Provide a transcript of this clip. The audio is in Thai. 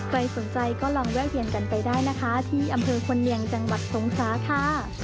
ใครสนใจก็ลองแวะเวียนกันไปได้นะคะที่อำเภอคนเนียงจังหวัดทรงคราค่ะ